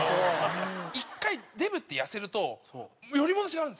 １回デブって痩せるとより戻しがあるんですよ。